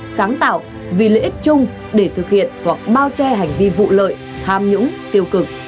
sáng tạo vì lợi ích chung để thực hiện hoặc bao che hành vi vụ lợi tham nhũng tiêu cực